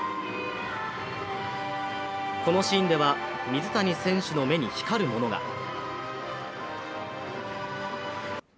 このシーンでは水谷選手の目に光るものが。